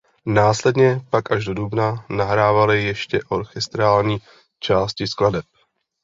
Následně pak až do dubna nahrávali ještě orchestrální části skladeb.